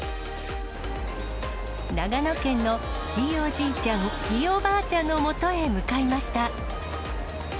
長野県のひいおじいちゃん、ひいおばあちゃんのもとへ向かいました。